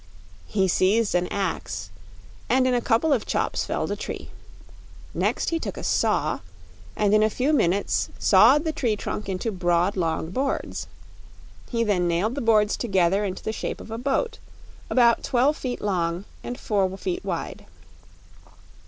He seized an axe and in a couple of chops felled a tree. Next he took a saw and in a few minutes sawed the tree trunk into broad, long boards. He then nailed the boards together into the shape of a boat, about twelve feet long and four feet wide.